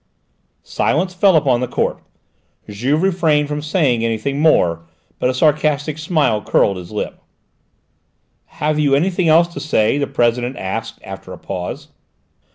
Silence fell upon the court; Juve refrained from saying anything more, but a sarcastic smile curled his lip. "Have you anything else to say?" the President asked after a pause.